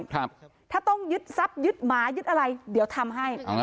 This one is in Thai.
ถ้าต้องยึดทรัพย์ยึดหมายึดอะไรเดี๋ยวทำให้อ๋อ